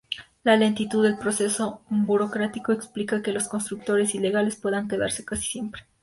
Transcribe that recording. La lentitud del proceso burocrático explica que los constructores ilegales puedan quedarse casi siempre.